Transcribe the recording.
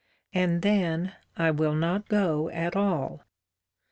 And then I will not go at all.